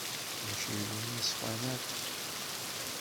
Mačči d win yeṣfan akk.